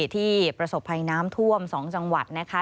ที่ประสบภัยน้ำท่วม๒จังหวัดนะคะ